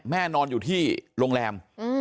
นอนอยู่ที่โรงแรม